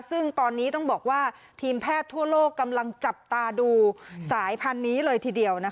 ซึ่งตอนนี้ต้องบอกว่าทีมแพทย์ทั่วโลกกำลังจับตาดูสายพันธุ์นี้เลยทีเดียว